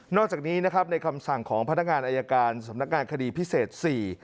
อกจากนี้นะครับในคำสั่งของพนักงานอายการสำนักงานคดีพิเศษ๔